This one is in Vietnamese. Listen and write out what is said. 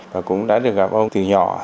và cũng đã được gặp ông từ nhỏ